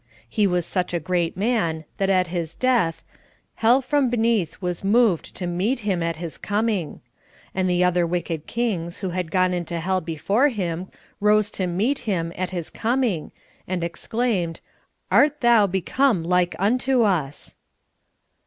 He was such a great man that at his death '* hell from beneath was moved to meet him at his coming;" and the other wicked kings, who had gone into hell before him, rose to meet him at his com ing," and exclaimed, "Art thou become like unto us